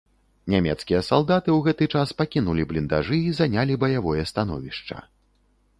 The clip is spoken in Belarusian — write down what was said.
Нямецкія салдаты ў гэты час пакінулі бліндажы і занялі баявое становішча.